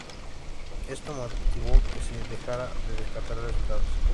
Eso motivó que en se dejara de descartar resultados.